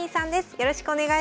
よろしくお願いします。